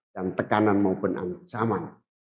dan tekanan maupun ancaman